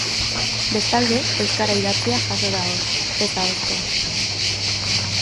Bestalde, euskara idatzia jaso da hor, ez ahozkoa.